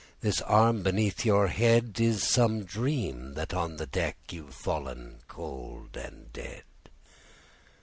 This arm beneath your head! It is some dream that on the deck, You've fallen cold and dead.